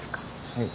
はい。